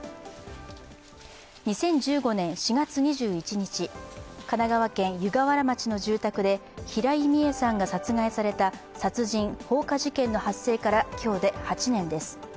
２０１５年４月２１日、神奈川県湯河原町の住宅で平井美江さんが殺害された殺人・放火事件の発生から今日で８年です。